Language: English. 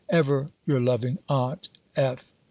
Ever your loving AUNT F.